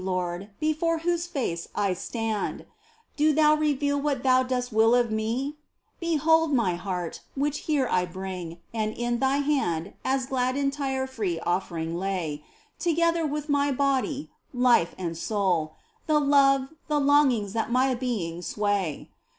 Lord, before Whose face I stand ! Do Thou reveal what Thou dost will of me ? Behold my heart, which here I bring, and in Thine hand as glad entire free offering lay, Together with my body, life, and soul, The love, the longings that my being sway